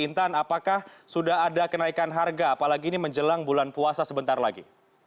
intan apakah sudah ada kenaikan harga apalagi ini menjelang bulan puasa sebentar lagi